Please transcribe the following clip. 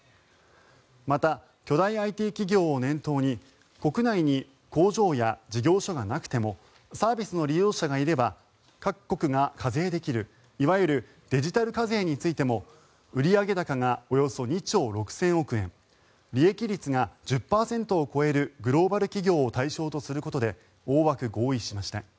また、巨大ＩＴ企業を念頭に国内に工場や事業所がなくてもサービスの利用者がいれば各国が課税できるいわゆるデジタル課税についても売上高がおよそ２兆６０００億円利益率が１０％を超えるグローバル企業を対象とすることで大枠合意しました。